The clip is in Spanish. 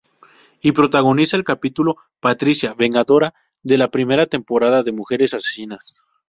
Y protagoniza el capítulo "Patricia, vengadora" de la primera temporada de "Mujeres asesinas".